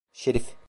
Şerif.